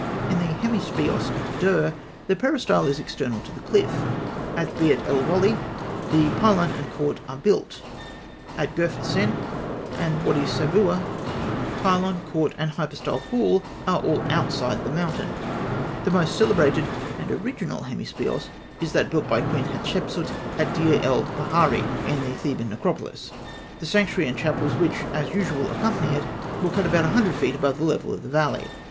In the hemi speos at Derr, the peristyle is external to the cliff; at Beit el Wally, the pylon and court are built; at Gerf Husein and Wady Sabûah, pylon, court, and hypostyle hall are all outside the mountain, The most celebrated and original hemi speos is that built by Queen Hatshepsût, at Deir el Baharî, in the Theban necropolis (fig. 92), The sanctuary and chapels which, as usual, accompany it, were cut about 100 ft. above the level of the valley.